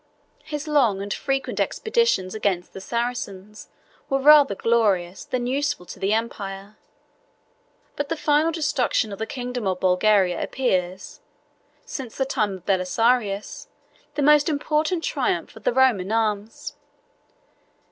His long and frequent expeditions against the Saracens were rather glorious than useful to the empire; but the final destruction of the kingdom of Bulgaria appears, since the time of Belisarius, the most important triumph of the Roman arms.